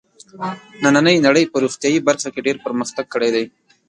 نننۍ نړۍ په روغتیايي برخه کې ډېر پرمختګ کړی دی.